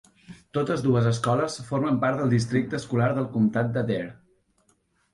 Totes dues escoles formen part del districte escolar del comtat de Dare.